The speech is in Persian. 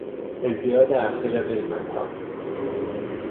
ازدیاد اخیر قیمتها